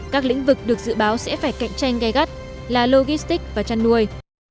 các lĩnh vực được dự báo sẽ phải cạnh tranh gai gắt là logistic và chăn nuôi